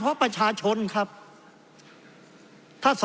เพราะเรามี๕ชั่วโมงครับท่านนึง